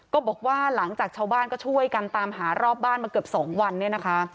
ก็บอกว่าหลังจากชาวบ้านก็ช่วยกันตามหารอบบ้านมาเกือบ๒วันเนี่ยนะคะ